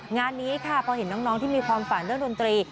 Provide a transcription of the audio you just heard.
งานนี้ค่ะพอเห็นน้องที่มีความฝันเรื่องดนตรี